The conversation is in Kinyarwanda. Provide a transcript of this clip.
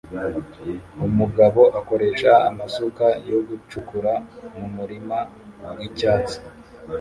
Umugabo akoresha amasuka yo gucukura mumurima wicyatsi